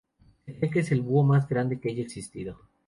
Se cree que es el búho más grande que haya existido.